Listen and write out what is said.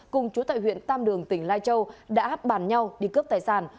cùng chú tại huyện tam đường tỉnh lai châu đã áp bản nhau đi cướp tài sản